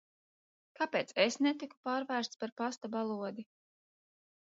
Kāpēc es netiku pārvērsts par pasta balodi?